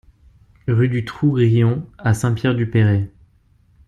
Rue du Trou Grillon à Saint-Pierre-du-Perray